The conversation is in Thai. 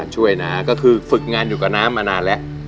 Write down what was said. น้าก็คือฝึกงานอยู่กับน้ามานานแล้ว